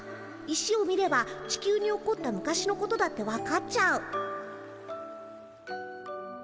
石を見れば地球に起こった昔のことだってわかっちゃう。